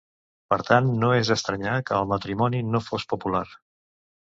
Per tant, no és d'estranyar que el matrimoni no fos popular.